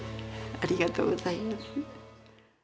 ありがとうございます。